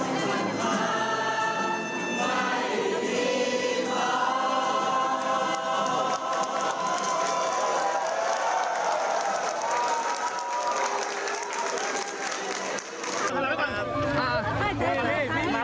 ทุกอย่างของทุกคนฉันค่ะไม่ดีกว่า